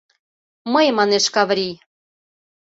— Мый, — манеш Каврий.